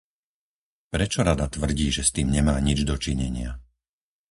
Prečo Rada tvrdí, že s tým nemá nič dočinenia?